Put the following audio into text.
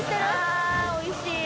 あおいしい！